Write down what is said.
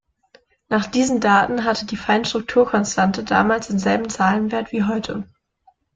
Nach diesen Daten hatte die Feinstrukturkonstante damals denselben Zahlenwert wie heute.